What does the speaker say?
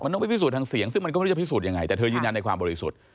ต้องไปพิสูจน์ทางเสียงซึ่งมันก็ไม่รู้จะพิสูจนยังไงแต่เธอยืนยันในความบริสุทธิ์